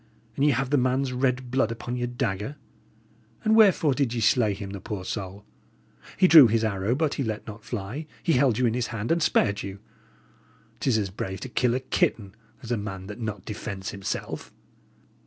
And ye have the man's red blood upon your dagger! And wherefore did ye slay him, the poor soul? He drew his arrow, but he let not fly; he held you in his hand, and spared you! 'Tis as brave to kill a kitten, as a man that not defends himself."